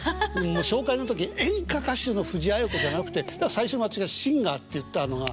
もう紹介の時「演歌歌手の藤あや子」じゃなくて最初に私がシンガーって言ったのが。